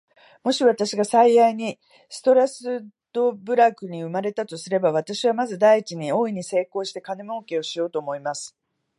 もし私が幸いにストラルドブラグに生れたとすれば、私はまず第一に、大いに努力して金もうけをしようと思います。